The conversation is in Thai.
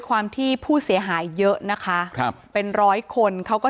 อ๋อเจ้าสีสุข่าวของสิ้นพอได้ด้วย